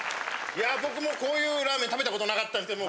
いや僕もこういうラーメン食べたことなかったんですけど。